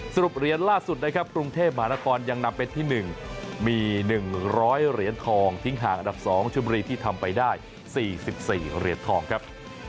เหรียญล่าสุดนะครับกรุงเทพมหานครยังนำเป็นที่๑มี๑๐๐เหรียญทองทิ้งห่างอันดับ๒ชุมบุรีที่ทำไปได้๔๔เหรียญทองครับ